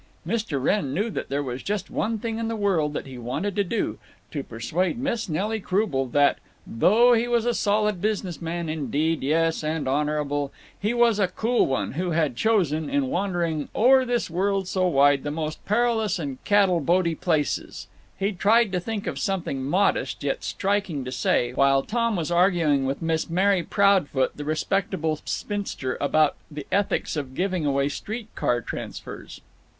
Mr. Wrenn knew that there was just one thing in the world that he wanted to do; to persuade Miss Nelly Croubel that (though he was a solid business man, indeed yes, and honorable) he was a cool one, who had chosen, in wandering o'er this world so wide, the most perilous and cattle boaty places. He tried to think of something modest yet striking to say, while Tom was arguing with Miss Mary Proudfoot, the respectable spinster, about the ethics of giving away street car transfers.